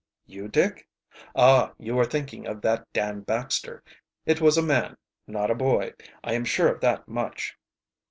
"You, Dick? Ah, you are thinking of that Dan Baxter. It was a man, not a boy; I am sure of that much."